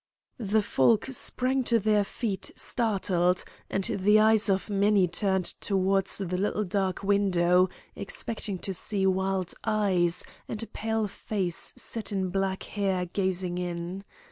The folk sprang to their feet startled, and the eyes of many turned towards the little dark window, expecting to see wild eyes and a pale face set in black hair gazing in.